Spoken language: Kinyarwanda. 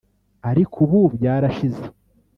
ariko ubu byarashize